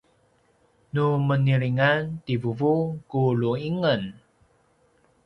nu menilingan ti vuvu ku lu’ingen